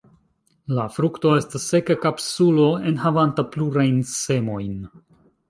La frukto estas seka kapsulo enhavanta plurajn semojn.